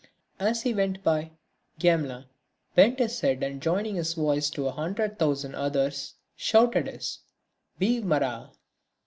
As he went by, Gamelin bent his head and joining his voice to a hundred thousand others, shouted his: "Vive Marat!"